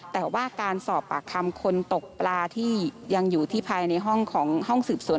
แต่ว่าการสอบปากคำคนตกปลาที่ยังอยู่ที่ภายในห้องของห้องสืบสวน